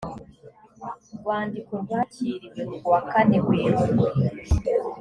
rwandiko rwakiriwe kuwa kane werurwe